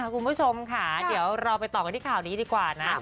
คุณผู้ชมค่ะเดี๋ยวเราไปต่อกันที่ข่าวนี้ดีกว่านะ